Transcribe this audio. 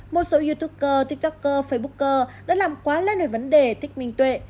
một số youtuber tiktoker facebooker đã làm quá lên về vấn đề thích minh tuệ